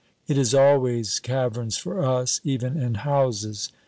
It is always caverns for us, even in houses!